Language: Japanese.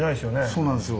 そうなんですよ。